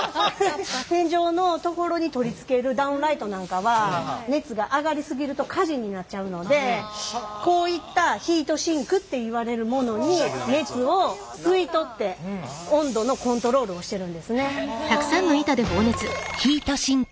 天井のところに取り付けるダウンライトなんかは熱が上がり過ぎると火事になっちゃうのでこういったヒートシンクっていわれるものに熱を吸い取って温度のコントロールをしてるんですね。